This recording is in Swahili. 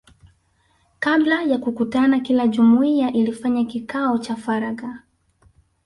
Kabla ya kukutana kila jumuiya ilifanya kikao cha faragha